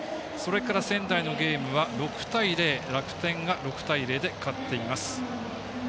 仙台のゲームは、６対０楽天が６対０で勝っています。